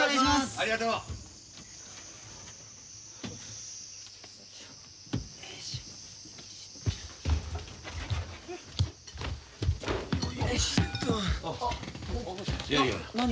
ありがとう。あっ。